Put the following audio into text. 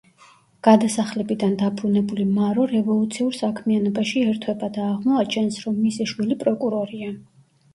გადასახლებიდან დაბრუნებული მარო რევოლუციურ საქმიანობაში ერთვება და აღმოაჩენს, რომ მისი შვილი პროკურორია.